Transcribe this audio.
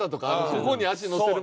ここに足乗せる。